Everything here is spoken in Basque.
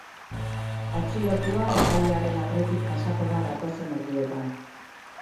Atxilotua epailearen aurretik pasako da datozen orduetan.